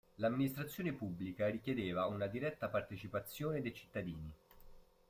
L'amministrazione pubblica richiedeva una diretta partecipazione dei cittadini.